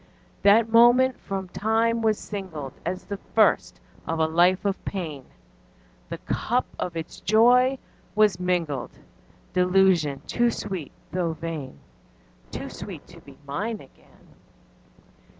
_10 3. That moment from time was singled As the first of a life of pain; The cup of its joy was mingled Delusion too sweet though vain! Too sweet to be mine again.